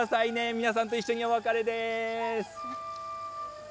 皆さんと一緒にお別れです。